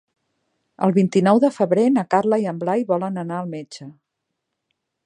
El vint-i-nou de febrer na Carla i en Blai volen anar al metge.